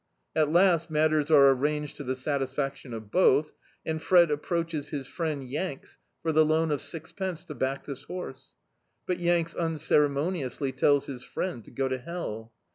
At last matters are arranged to the satisfaction of both, and Fred approaches his friend "Yanks" for the loan of six pence, to back this horse. But "Yanks" uncerc mwiiously tells his friend to go to hell.